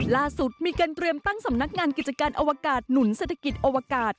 ล่าสุดมีการเตรียมตั้งสำนักงานกิจการอวกาศหนุนเศรษฐกิจอวกาศ